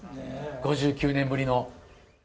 ５９年ぶりの。